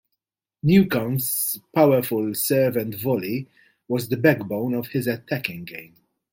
Newcombe's powerful serve and volley was the backbone of his attacking game.